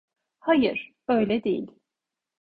Hayır, öyle değil.